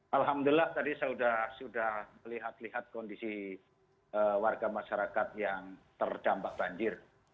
alhamdulillah tadi saya sudah melihat lihat kondisi warga masyarakat yang terdampak banjir